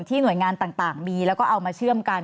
หน่วยงานต่างมีแล้วก็เอามาเชื่อมกัน